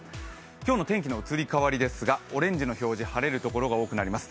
今日の天気の移り変わりですがオレンジの表示、晴れるところが多くなります。